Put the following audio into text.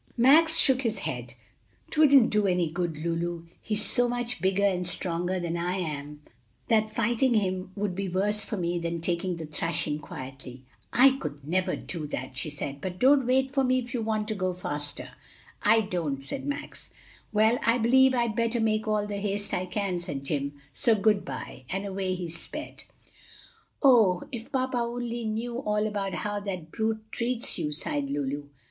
Max shook his head. "'Twouldn't do any good, Lulu; he's so much bigger and stronger than I am that fighting him would be worse for me than taking the thrashing quietly." "I could never do that!" she said. "But don't wait for me if you want to go faster." "I don't," said Max. "Well, I b'lieve I'd better make all the haste I can," said Jim. "So good by," and away he sped. "Oh, if papa only knew all about how that brute treats you!" sighed Lulu.